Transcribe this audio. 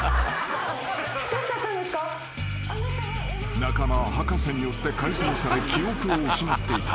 ［仲間は博士によって改造され記憶を失っていた］